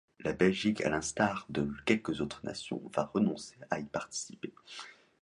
La Belgique, à l'instar de quelques autres nations, va renoncer à y participer.